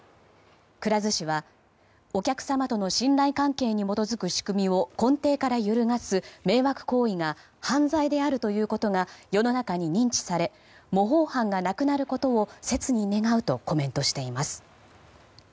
くら寿司は、お客様との信頼関係に基づく仕組みを根底から揺るがす迷惑行為が犯罪であるということが世の中に認知され模倣犯がなくなることを切に願うとコメントしています。